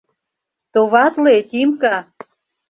Товатле, Тимка!